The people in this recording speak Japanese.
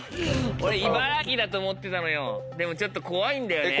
俺茨城だと思ってたのよでもちょっと怖いんだよね。